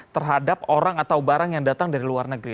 terhadap orang atau barang yang datang dari luar negeri